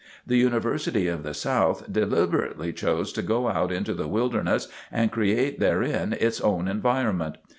The University of the South deliberately chose to go out into the wilderness and create therein its own environment.